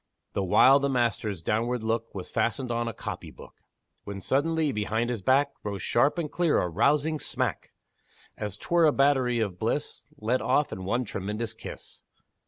The while the master's downward look Was fastened on a copy book; When suddenly, behind his back, Rose sharp and clear a rousing smack! As 'twere a battery of bliss Let off in one tremendous kiss!